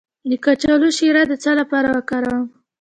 د کچالو شیره د څه لپاره وکاروم؟